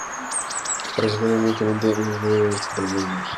El barrio se encuentra urbanísticamente unido al barrio de Santa María del Mar.